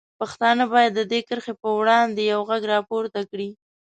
پښتانه باید د دې کرښې په وړاندې یوغږ راپورته کړي.